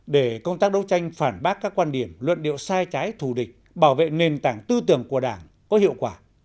để công tác đấu tranh phản bác các quan điểm luận điệu sai trái thù địch bảo vệ nền tảng tư tưởng của đảng có hiệu quả